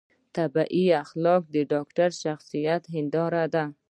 طبي اخلاق د ډاکتر د شخصیت هنداره ده